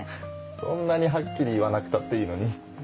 そんなにはっきり言わなくたっていいのに。